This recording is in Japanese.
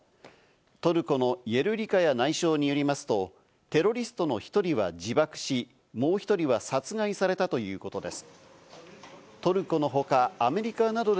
トルコのイェルリカヤ内相によりますと、テロリストの１人は自爆し、もう１人は殺害されたということです。